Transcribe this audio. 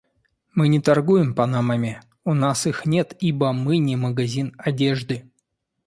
Мы не торгуем панамами. У нас их нет, ибо мы не магазин одежды.